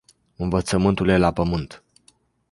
Învățământul e la pământ.